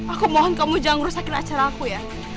aku mohon kamu jangan rusakin acara aku ya